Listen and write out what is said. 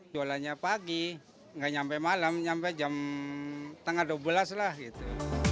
jualannya pagi gak nyampe malam nyampe jam dua belas tiga puluh lah gitu